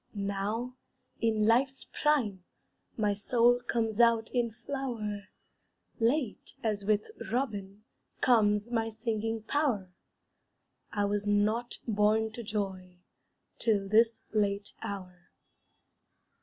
Now, in life's prime, my soul Comes out in flower; Late, as with Robin, comes My singing power; I was not born to joy Till this late hour.